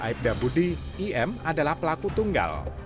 aibda budi im adalah pelaku tunggal